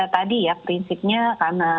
tadi ya prinsipnya karena